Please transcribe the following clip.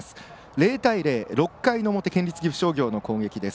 ０対０、６回表県立岐阜商業の攻撃です。